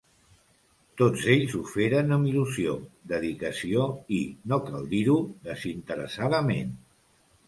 Tots ells ho feren amb il·lusió, dedicació i, no cal dir-ho, desinteressadament.